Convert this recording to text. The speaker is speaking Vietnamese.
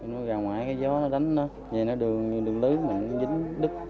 nó ra ngoài cái gió nó đánh nó dây nó đường như đường lưới mà nó dính đứt